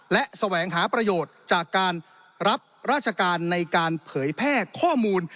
และแสวงหาประโยชน์จากการรับราชการในการเผยแพร่ข้อมูล